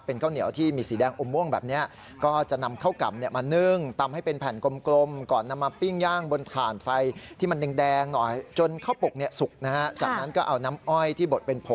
เป็นข้าวเหนียวที่มีสีแดงอมม่วงแบบนี้